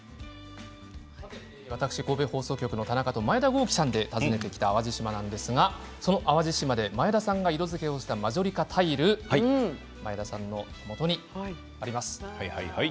私、神戸放送局の田中と前田公輝さんで訪ねてきた淡路島ですが、その淡路島で前田さんが色づけしたマジョリカタイル前田さんの手元にあります。